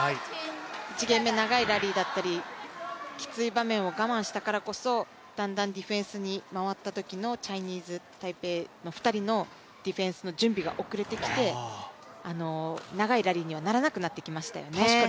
１ゲーム目、長いラリーだったりきつい場面を我慢したからこそ、だんだんディフェンスに回ったときのチャイニーズ・タイペイの２人のディフェンスの準備が遅れてきて長いラリーにはならなくなってきましたよね。